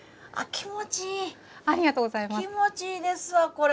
気持ちいいですわこれ。